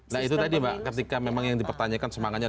nah itu tadi mbak ketika memang yang dipertanyakan semangatnya